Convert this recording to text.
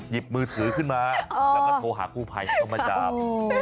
หยิบมือถือขึ้นมาแล้วก็โทรหากู้ภัยให้เข้ามาจับ